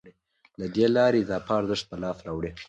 له دې لارې اضافي ارزښت په لاس راوړي